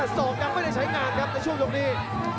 ส่องกำปันก็ไม่ได้ใช้งานครับแต่ช่วงตรงนี้